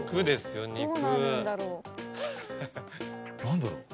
何だろう